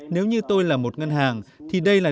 nếu như tôi là một ngân hàng thì đây là